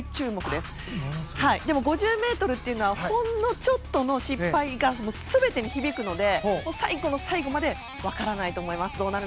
でも、５０ｍというのはほんのちょっとの失敗が全てに響くので最後の最後までわからないと思います。